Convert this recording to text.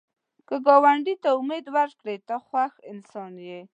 که ګاونډي ته امید ورکوې، ته خوښ انسان یې